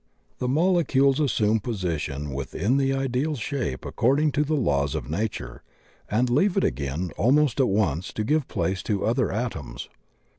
The molecules assume position with in the ideal shape according to the laws of nature, and leave it again almost at once to give place to other atoms.